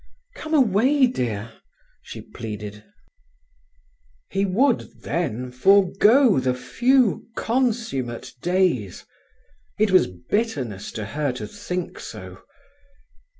"Come away, dear," she pleaded. He would, then, forgo the few consummate days! It was bitterness to her to think so.